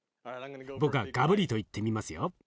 僕はガブリといってみますよ。